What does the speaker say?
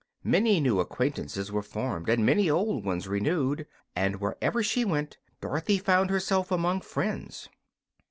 Many new acquaintances were formed and many old ones renewed, and wherever she went Dorothy found herself among friends.